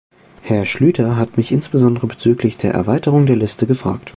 Herr Schlyter hat mich insbesondere bezüglich der Erweiterung der Liste gefragt.